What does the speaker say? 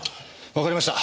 わかりました。